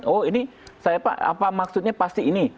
oh ini saya pak apa maksudnya pasti ini